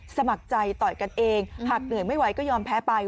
สมัครใจต่อยกันเองหากเหนื่อยไม่ไหวก็ยอมแพ้ไป